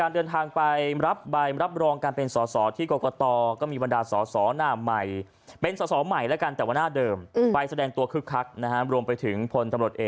เอาขณะที่บรรยากาศการเดินทางไป